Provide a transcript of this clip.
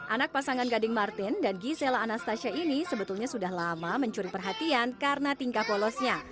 anak pasangan gading martin dan gisela anastasia ini sebetulnya sudah lama mencuri perhatian karena tingkah polosnya